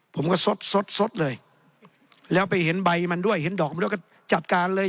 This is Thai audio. ผมก็สดสดเลยแล้วไปเห็นใบมันด้วยเห็นดอกมันด้วยก็จัดการเลย